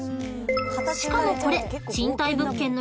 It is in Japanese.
［しかもこれ］